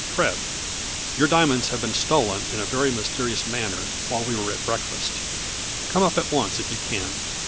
Fred, — Your diamonds have been stolen in a very mysterious manner while we were at breakfast Come up at once if you can.